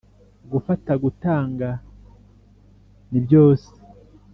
gufata gutanga ni byose